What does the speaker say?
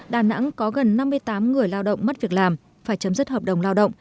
đà nẵng có gần năm mươi tám người lao động mất việc làm phải chấm dứt hợp đồng lao động